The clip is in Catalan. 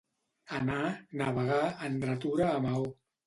Anar, navegar, en dretura a Maó.